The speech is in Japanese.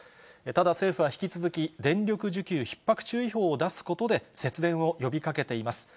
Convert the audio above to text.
ただ、政府は引き続き電力需給ひっ迫注意報を出すことで、節電を呼びかけています。